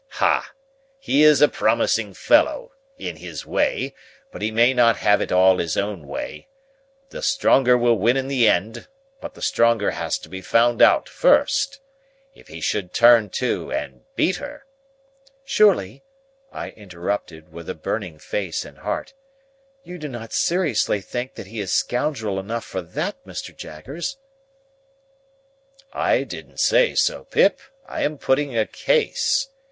"Hah! He is a promising fellow—in his way—but he may not have it all his own way. The stronger will win in the end, but the stronger has to be found out first. If he should turn to, and beat her—" "Surely," I interrupted, with a burning face and heart, "you do not seriously think that he is scoundrel enough for that, Mr. Jaggers?" "I didn't say so, Pip. I am putting a case.